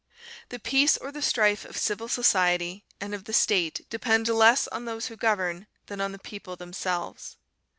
The peace or the strife of civil society and of the state depend less on those who govern than on the people themselves.